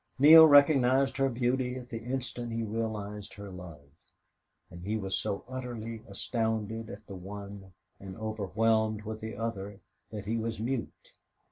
Neale recognized her beauty at the instant he realized her love, and he was so utterly astounded at the one, and overwhelmed with the other, that he was mute.